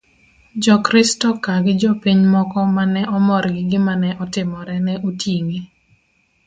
jokristo ka gi jopiny moko ma ne omor gi gimane otimore ne oting'e